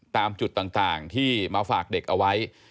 ตามจุดต่างที่มาฝากเด็กเอาไว้